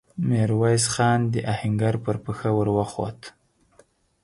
ميرويس خان د آهنګر پر پښه ور وخووت.